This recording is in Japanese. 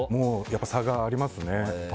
差がありますね。